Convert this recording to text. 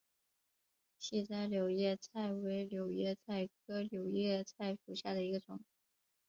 细籽柳叶菜为柳叶菜科柳叶菜属下的一个种。